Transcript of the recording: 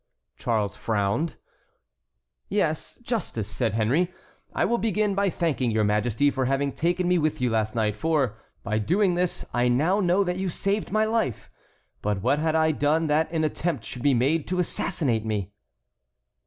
Charles frowned. "Yes, justice," said Henry. "I will begin by thanking your Majesty for having taken me with you last night; for, by doing this, I now know that you saved my life. But what had I done that an attempt should be made to assassinate me?"